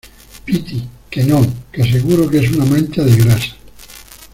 piti, que no , que seguro que es una mancha de grasa.